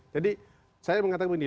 jadi saya mengatakan begini